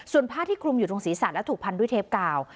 ส่วนผ้าที่คลุมอยู่ตรงศีรษะและถูกพันด้วยเทปกาว